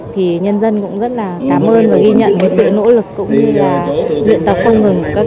thì nhân dân cũng rất là cảm ơn và ghi nhận với sự nỗ lực cũng như là luyện tập không ngừng